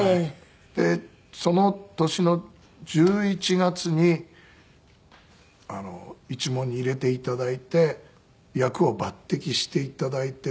でその年の１１月に一門に入れて頂いて役を抜擢して頂いて。